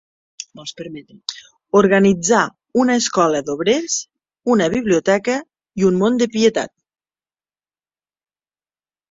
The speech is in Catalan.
Organitzà una escola d'obrers, una biblioteca i un mont de pietat.